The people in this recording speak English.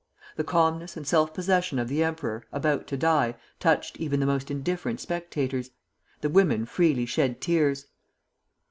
The calmness and self possession of the emperor, about to die, touched even the most indifferent spectators. The women freely shed tears.